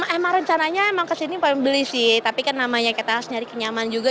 emang rencananya emang kesini pengen beli sih tapi kan namanya kita harus nyari kenyaman juga